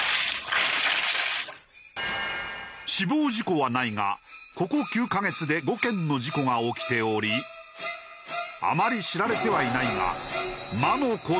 死亡事故はないがここ９カ月で５件の事故が起きておりあまり知られてはいないが「魔の交差点」と呼ばれている。